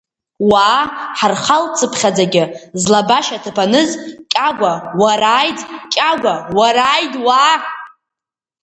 Уаа, ҳархалцыԥхьаӡагьы злабашьаҭыԥ аныз, Кьагәа, уарааид, Кьагәа, уарааид, уаа!